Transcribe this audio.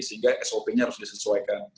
sehingga sop nya harus disesuaikan